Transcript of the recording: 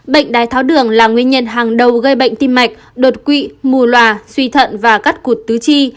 bệnh đai tháo đường là nguyên nhân hàng đầu gây bệnh tim mạch đột quỵ mù loà suy thận và cắt cụt tứ chi